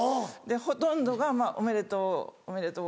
ほとんどが「おめでとう」「おめでとう」。